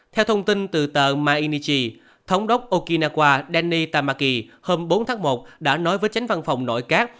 theo thông tin từ tờ mainichi thống đốc okinawa danny tamaki hôm bốn tháng một đã nói với tránh văn phòng nội các